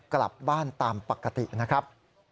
กลับบ้านตามปกตินะครับ